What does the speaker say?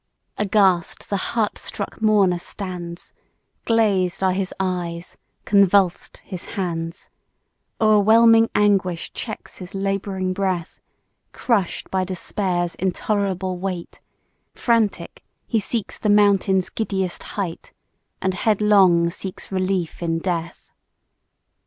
Aghast the heart struck mourner stands, Glazed are his eyes convulsed his hands, O'erwhelming anguish checks his labouring breath; Crush'd by despair's intolerable weight, Frantic he seeks the mountain's giddiest height, And headlong seeks relief in death.